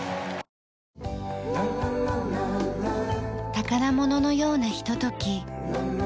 宝物のようなひととき。